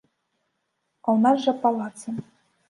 А ў нас жа палацы.